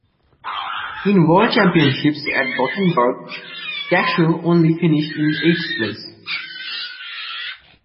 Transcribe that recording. In World Championships at Gothenburg, Cacho only finished in eighth place.